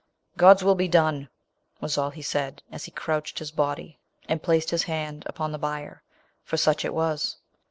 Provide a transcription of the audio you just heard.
" God's will be done !" was all he said, as he crouched his body, andplaced his hand upon the bier; for such it was.